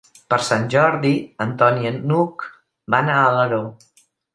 Per Sant Jordi en Ton i n'Hug van a Alaró.